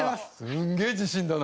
すっげえ自信だな。